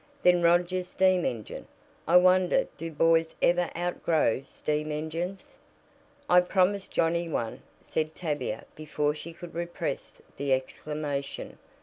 Then Roger's steam engine. I wonder do boys ever outgrow steam engines?" "I promised Johnnie one," said Tavia before she could repress the exclamation.